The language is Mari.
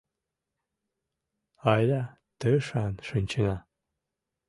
— Айда тышан шинчына